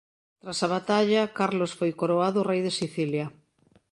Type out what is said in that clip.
Tras a batalla Carlos foi coroado rei de Sicilia.